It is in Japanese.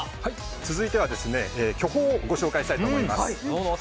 続いては巨峰をご紹介したいと思います。